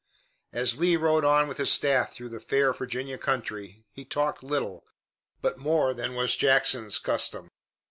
As Lee rode on with his staff through the fair Virginia country he talked little, but more than was Jackson's custom.